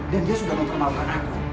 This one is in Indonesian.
dan dia sudah mempermaukan aku